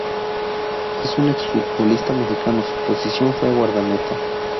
Es un exfutbolista mexicano su posición fue guardameta.